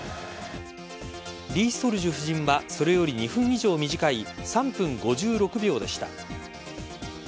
リ・ソルジュ夫人はそれより２分以上短い３分５６秒でした。